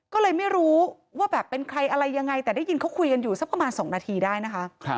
ก็เลยไม่รู้ว่าแบบเป็นใครอะไรยังไงแต่ได้ยินเขาคุยกันอยู่สักประมาณ๒นาทีได้นะคะ